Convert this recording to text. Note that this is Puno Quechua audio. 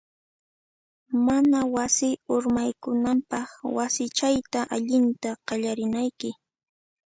Mana wasi urmaykunanpaq, wasichayta allinta qallarinayki.